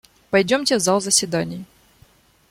Пойдемте в зал заседаний.